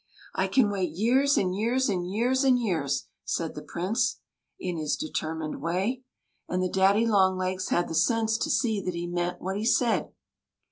" I can wait years and years and years and years," said the Prince, in his determined way; and the daddy longlegs had the sense to see that he meant what he said.